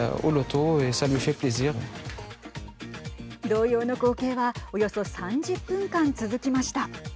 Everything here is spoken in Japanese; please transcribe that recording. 同様の光景はおよそ３０分間続きました。